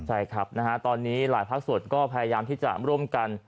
ใช่ครับนะฮะตอนนี้หลายภาคส่วนก็พยายามที่จะร่วมกัน